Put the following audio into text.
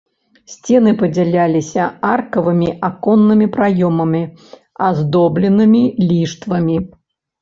Сцены падзяляліся аркавымі аконнымі праёмамі, аздобленымі ліштвамі.